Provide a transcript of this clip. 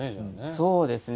そうですね。